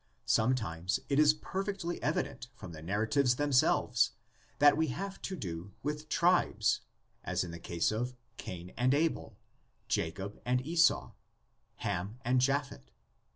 Sometimes it is perfectly evident from the narratives themselves that we have to do with tribes, as in the case of Cain and Abel, Jacob and Esau, Ham and Japhet.